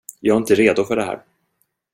Jag är inte redo för det här.